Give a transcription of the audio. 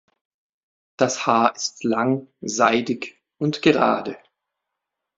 Das Haar ist lang, seidig und gerade.